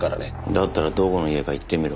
だったらどこの家か言ってみろ。